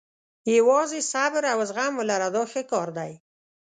یوازې صبر او زغم ولره دا ښه کار دی.